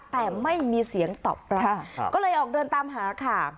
แต่ไม่มีเสียงตอบรับก็เลยออกเดินตามหาค่ะ